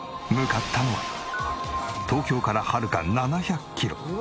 向かったのは東京からはるか７００キロ。